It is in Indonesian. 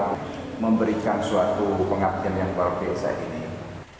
saya merasa kehilangan luar biasa besar karena eka eklasan dalam mengabdi luar biasa didukung oleh kemauan